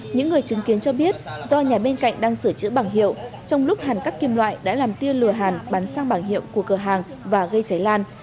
những người chứng kiến cho biết do nhà bên cạnh đang sửa chữa bảng hiệu trong lúc hàn cắt kim loại đã làm tia lửa hàn bắn sang bảng hiệu của cửa hàng và gây cháy lan